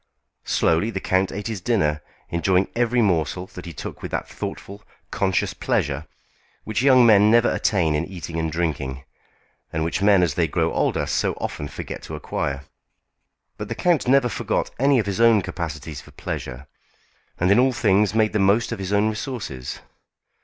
Slowly the count ate his dinner, enjoying every morsel that he took with that thoughtful, conscious pleasure which young men never attain in eating and drinking, and which men as they grow older so often forget to acquire. But the count never forgot any of his own capacities for pleasure, and in all things made the most of his own resources.